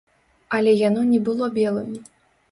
Але яно не было белым.